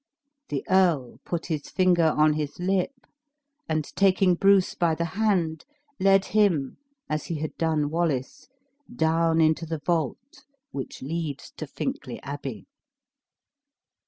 The earl put his finger on his lip, and taking Bruce by the hand, led him, as he had done Wallace, down into the vault which leads to Fincklay Abbey.